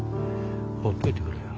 ほっといてくれよ。